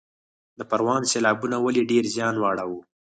د پروان سیلابونو ولې ډیر زیان واړوه؟